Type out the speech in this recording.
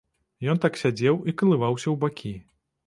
Ён так сядзеў і калываўся ў бакі.